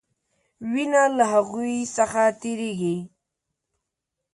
وینه له هغوي څخه تیریږي.